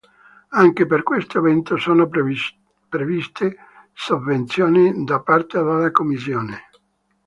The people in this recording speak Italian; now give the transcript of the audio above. Anche per questo evento sono previste sovvenzioni da parte della Commissione.